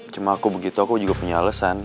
cuma aku begitu aku juga punya alasan